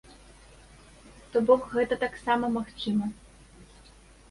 То бок гэта таксама магчыма.